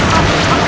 jangan ganggu dia